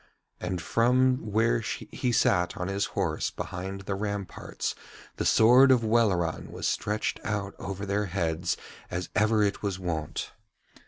And from where he sat on his horse behind the ramparts the sword of Welleran was stretched out over their heads as ever it was wont.